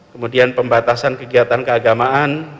kemudian pembatasan kegiatan keagamaan